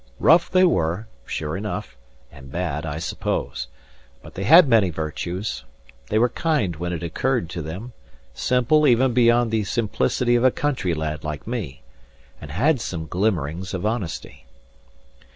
Rough they were, sure enough; and bad, I suppose; but they had many virtues. They were kind when it occurred to them, simple even beyond the simplicity of a country lad like me, and had some glimmerings of honesty.